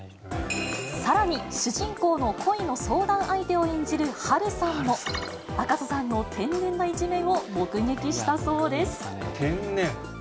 さらに、主人公の恋の相談相手を演じる波瑠さんも、赤楚さんの天然な一面を目撃したそうです。